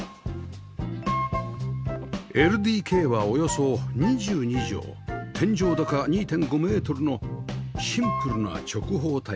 ＬＤＫ はおよそ２２畳天井高 ２．５ メートルのシンプルな直方体